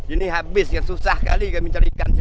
ini habis susah kali kami cari ikan